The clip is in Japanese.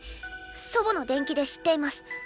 祖母の伝記で知っています。